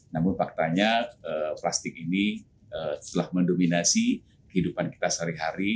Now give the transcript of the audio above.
namun faktanya plastik ini telah mendominasi kehidupan kita sehari hari